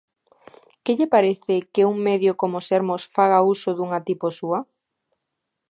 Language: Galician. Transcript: Que lle parece que un medio como Sermos faga uso dunha tipo súa?